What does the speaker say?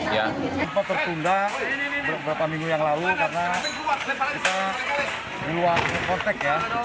tempat tertunda beberapa minggu yang lalu karena kita luang kontek ya